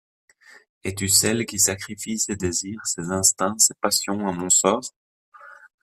Es-tu celle qui sacrifie ses désirs, ses instincts, ses passions à mon sort?